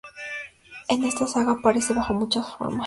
En esta saga aparece bajo muchas formas.